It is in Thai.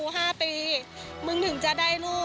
ควิทยาลัยเชียร์สวัสดีครับ